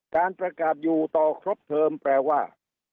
การประกาศอยู่ต่อครบเทอมแปลว่า